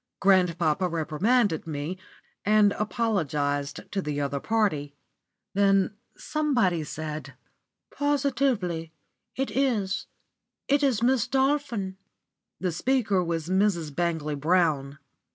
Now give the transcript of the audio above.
Grandpapa reprimanded me, and apologised to the other party. Then somebody said: "Positively it is it is Miss Dolphin." The speaker was Mrs. Bangley Brown.